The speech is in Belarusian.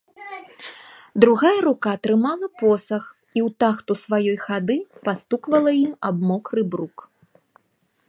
Другая рука трымала посах і ў тахту сваёй хады пастуквала ім аб мокры брук.